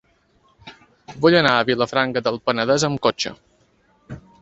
Vull anar a Vilafranca del Penedès amb cotxe.